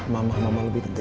mama mama lebih tentu